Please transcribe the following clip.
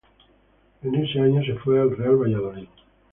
En ese año se fue al Real Valladolid.